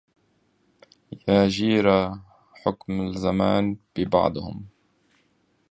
يا جيرة حكم الزمان ببعدهم